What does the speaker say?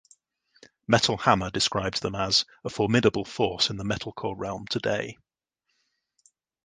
Metal Hammer described them as "a formidable force in the metalcore realm today".